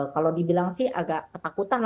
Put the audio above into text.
kalau dibilang sih agak ketakutan